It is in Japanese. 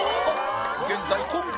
現在トップ